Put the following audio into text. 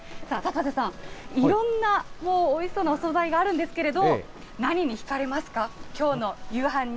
さあ、高瀬さん、いろんなおいしそうなお総菜があるんですけれども、何に引かれますか？